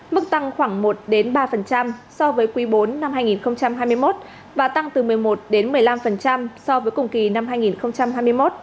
mức tăng khoảng một ba so với quý iv năm hai nghìn hai mươi một và tăng từ một mươi một đến một mươi năm so với cùng kỳ năm hai nghìn hai mươi một